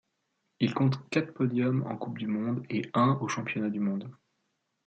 Il compte quatre podiums en Coupe du monde et un aux Championnats du monde.